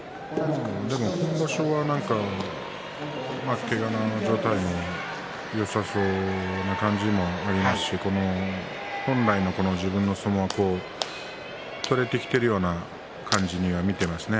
でも今場所はけがの状態もよさそうで本来の自分の相撲が取れてきているような感じには見えますね。